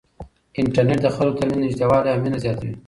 انټرنیټ د خلکو ترمنځ نږدېوالی او مینه زیاتوي.